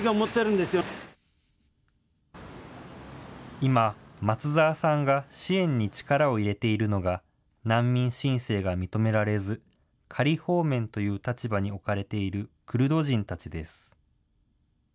今、松澤さんが支援に力を入れているのが、難民申請が認められず、仮放免という立場に置かれているクルド人たちです。